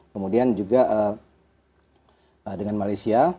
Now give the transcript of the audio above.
kemudian juga dengan malaysia